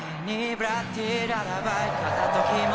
ブラッディ・ララバイ片時も